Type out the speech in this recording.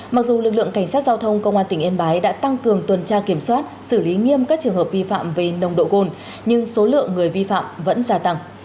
mặc dù lực lượng cảnh sát giao thông công an tỉnh yên bái đã tăng cường tuần tra kiểm soát xử lý nghiêm các trường hợp vi phạm về nồng độ gồn nhưng số lượng người vi phạm vẫn gia tăng